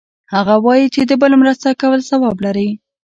هغه وایي چې د بل مرسته کول ثواب لری